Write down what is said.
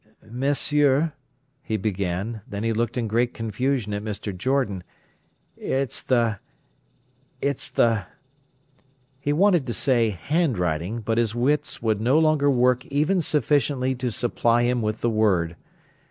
"'Monsieur,'" he began; then he looked in great confusion at Mr. Jordan. "It's the—it's the—" He wanted to say "handwriting", but his wits would no longer work even sufficiently to supply him with the word.